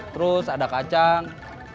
terus ada kacang